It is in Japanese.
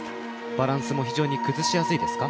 バランスも非常に崩しやすいですか？